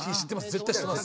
絶対知ってます。